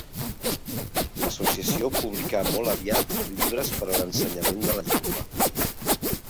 L'associació publicà molt aviat llibres per a l'ensenyament de la llengua.